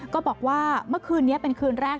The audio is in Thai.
ก็บอกว่าเมื่อคืนนี้เป็นคืนแรก